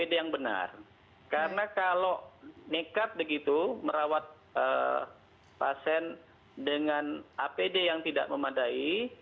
metode yang benar karena kalau nekat begitu merawat pasien dengan apd yang tidak memadai